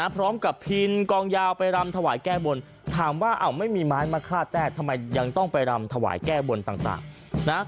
พร้อมกับพินกองยาวไปรำถวายแก้บนถามว่าไม่มีไม้มาฆ่าแต้ทำไมยังต้องไปรำถวายแก้บนต่างนะ